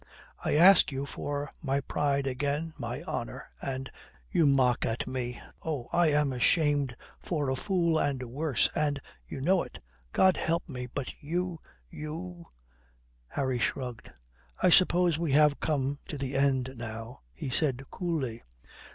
I ask you for my pride again, my honour, and you mock at me. Oh, I am ashamed for a fool and worse, and you know it, God help me, but you you " Harry shrugged. "I suppose we have come to the end now," he said coolly.